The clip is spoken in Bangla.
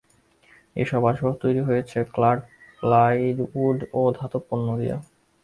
এসব আসবাব তৈরি করা হয়েছে কাঠ, প্লাইউড ও ধাতব পণ্য দিয়ে।